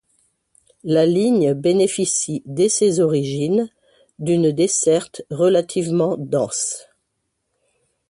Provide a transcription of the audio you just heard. La ligne bénéficie dès ses origines d'une desserte relativement dense.